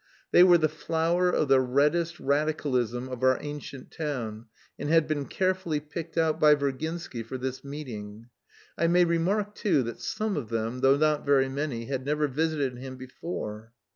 They were the flower of the reddest Radicalism of our ancient town, and had been carefully picked out by Virginsky for this "meeting." I may remark, too, that some of them (though not very many) had never visited him before.